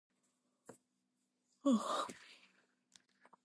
The main staple crops are wheat and maize.